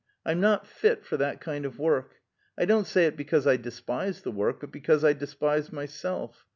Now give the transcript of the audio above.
I'm not fit for that kind of work. I don't say it because I despise the work, but because I despise myself.